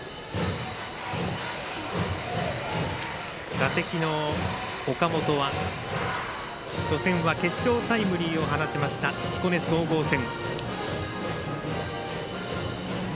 打席の岡本は初戦は決勝タイムリーを放ちました彦根総合戦。